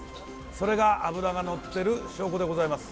それが脂がのっている証拠でございます。